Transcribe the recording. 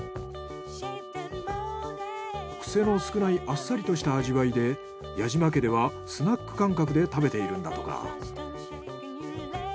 クセの少ないあっさりとした味わいで矢島家ではスナック感覚で食べているんだとか。